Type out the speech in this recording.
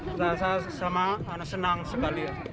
perasaan sama senang sekali